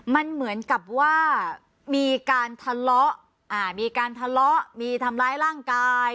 มันเหมือนกับว่ามีการทะเลาะมีการทะเลาะมีทำร้ายร่างกาย